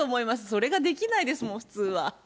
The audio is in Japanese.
それができないですもん、普通は。